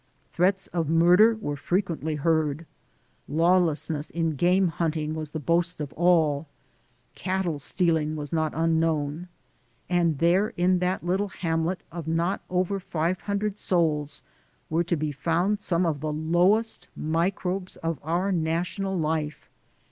Threats of murder were frequently heard; lawlessness in game hunting was the boast of all; cattle stealing was not unknown, and there in that little hamlet of not over five hundred souls were to be found some of the lowest microbes of our national life.